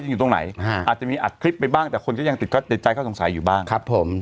อยู่ตรงไหนอาจจะมีอัดคลิปไปบ้างแต่คนก็ยังติดใจข้อสงสัยอยู่บ้างครับผม